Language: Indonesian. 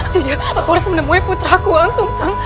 tidak aku harus menemui putraku walang sungsang